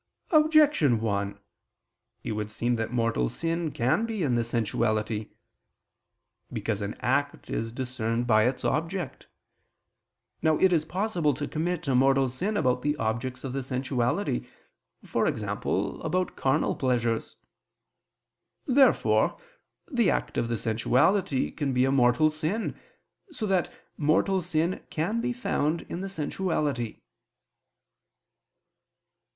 Objection 1: It would seem that mortal sin can be in the sensuality. Because an act is discerned by its object. Now it is possible to commit a mortal sin about the objects of the sensuality, e.g. about carnal pleasures. Therefore the act of the sensuality can be a mortal sin, so that mortal sin can be found in the sensuality.